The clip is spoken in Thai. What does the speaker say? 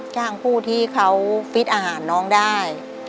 จ้างผู้ที่เขาฟิตอาหารน้องได้